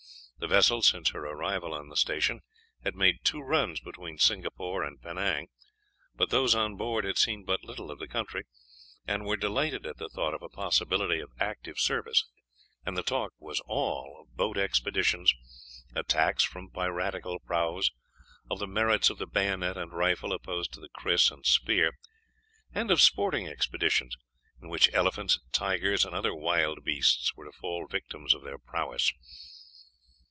The vessel since her arrival on the station had made two runs between Singapore and Penang, but those on board had seen but little of the country, and were delighted at the thought of a possibility of active service, and the talk was all of boat expeditions, attacks from piratical prahus, of the merits of the bayonet and rifle opposed to kris and spear, and of sporting expeditions in which elephants, tigers, and other wild beasts were to fall victims of their prowess.